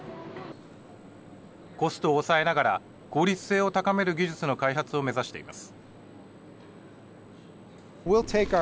コストを抑えながら効率性を高める技術の開発を目指しています。